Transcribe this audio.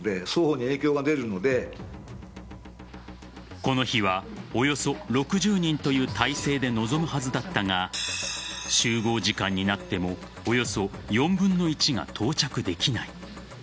この日はおよそ６０人という態勢で臨むはずだったが集合時間になってもおよそ４分の１が到着できない。